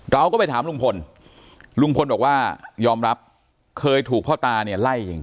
เราก็ไปถามลุงพลลุงพลบอกว่ายอมรับเคยถูกพ่อตาเนี่ยไล่ยิง